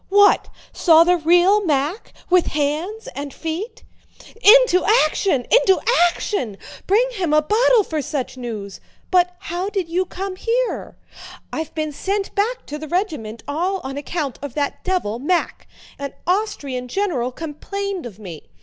"What? Saw the real Mack? With hands and feet?" "Into action! Into action! Bring him a bottle for such news! But how did you come here?" "I've been sent back to the regiment all on account of that devil, Mack. An Austrian general complained of me.